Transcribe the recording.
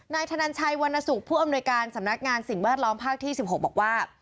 ธนันชัยวรรณสุขผู้อำนวยการสำนักงานสิ่งแวดล้อมภาคที่๑๖บอกว่า